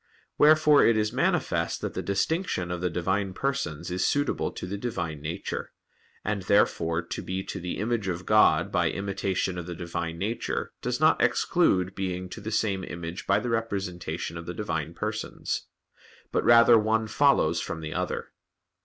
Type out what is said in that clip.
Wherefore it is manifest that the distinction of the Divine Persons is suitable to the Divine Nature; and therefore to be to the image of God by imitation of the Divine Nature does not exclude being to the same image by the representation of the Divine Persons: but rather one follows from the other.